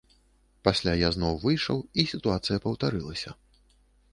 Пасля я зноў выйшаў, і сітуацыя паўтарылася.